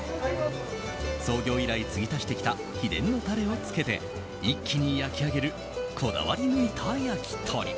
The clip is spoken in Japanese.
創業以来、継ぎ足ししてきた秘伝のタレをつけて一気に焼き上げるこだわり抜いた焼き鳥。